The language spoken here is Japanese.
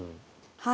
はい。